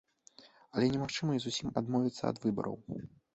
Але немагчыма і зусім адмовіцца ад выбараў.